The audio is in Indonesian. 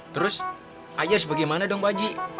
terus ayos bagaimana dong baji